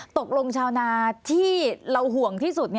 ตกลงชาวนาที่เราห่วงที่สุด